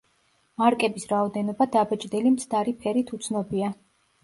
მარკების რაოდენობა დაბეჭდილი მცდარი ფერით უცნობია.